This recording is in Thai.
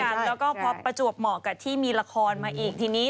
แล้วก็พอประจวบเหมาะกับที่มีละครมาอีกทีนี้